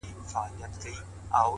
علم د انسان د شخصیت جوړوونکی دی